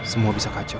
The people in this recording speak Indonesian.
semua bisa kacau